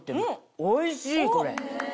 おいしいこれ。